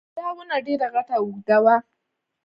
دا ونه ډېره غټه او اوږده وه